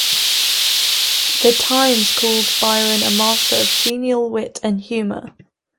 "The Times" called Byron a master of "genial wit and humour".